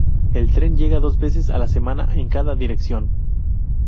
El tren llega dos veces a la semana en cada dirección.